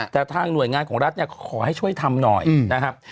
แต่ทางหน่วยงานของรัฐเนี่ยขอให้ช่วยทำหน่อยนะครับ